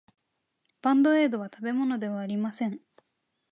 バンドエードは食べ物ではありません。